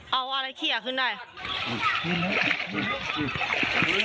เอาอะไรขี้อ่ะขึ้นได้